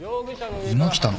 今来たの？